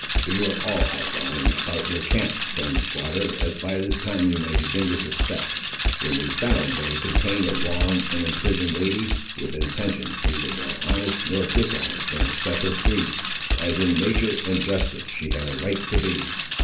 We were all out lying about your camp, friend squatter, as by this time you may begin to suspect, when we found that it contained a wronged and imprisoned lady, with intentions neither more honest nor dishonest than to set her free, as in nature and justice she had a right to be.